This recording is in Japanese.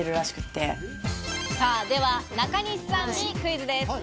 では中西さんにクイズです。